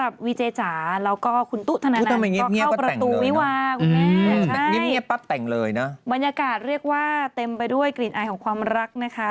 บรรยากาศเรียกว่าเต็มไปด้วยกลิ่นอายของความรักนะคะ